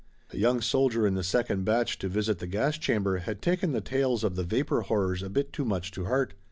A young soldier in the second batch to visit the gas chamber had taken the tales of the vapor horrors a bit too much to heart.